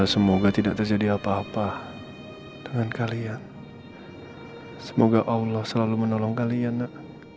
semoga tidak terjadi apa apa dengan kalian semoga allah selalu menolong kalian nak